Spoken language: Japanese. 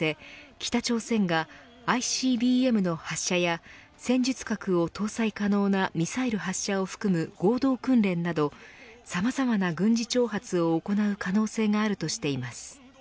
北朝鮮が、ＩＣＢＭの発射や戦術核を搭載可能なミサイル発射を含め合同訓練などさまざまな軍事挑発を行う可能性があるとしています。